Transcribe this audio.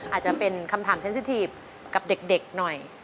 อาจจะเป็นคำถามสังเกตุกับเด็กหน่อย